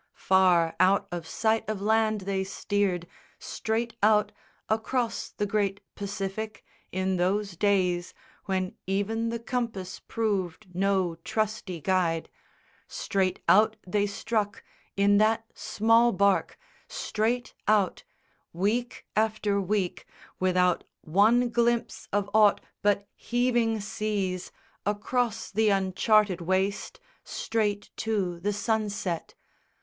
Far out of sight of land they steered, straight out Across the great Pacific, in those days When even the compass proved no trusty guide, Straight out they struck in that small bark, straight out Week after week, without one glimpse of aught But heaving seas, across the uncharted waste Straight to the sunset.